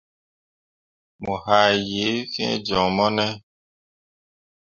Mo haa yee fĩĩ joŋ mo ne ?